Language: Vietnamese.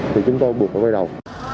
thì chúng tôi buộc phải quay đầu